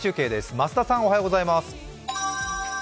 増田さん、おはようございます。